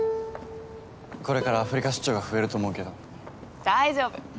これからアフリカ出張が増えると思うけど大丈夫。